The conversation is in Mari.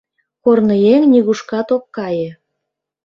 Корныеҥ нигушкат ок кае